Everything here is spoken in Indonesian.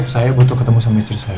saya butuh ketemu sama istri saya